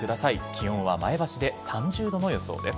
気温は前橋で３０度の予想です。